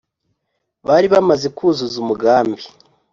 bari bamaze kuzuza umugambi